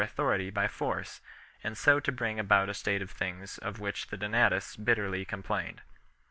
343 authority by force, and so to bring about a state of things of which the Donatists bitterly complained.